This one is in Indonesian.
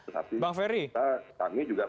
tapi kami juga